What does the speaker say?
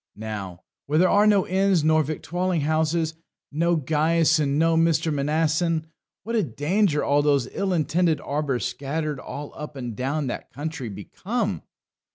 Now, where there are no inns nor victualling houses, no Gaius and no Mr. Mnason, what a danger all those ill intended arbours scattered all up and down that country become!